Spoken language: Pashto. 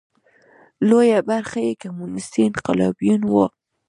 لویه برخه یې کمونېستي انقلابیون وو.